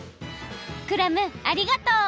クラムありがとう！